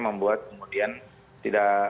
membuat kemudian tidak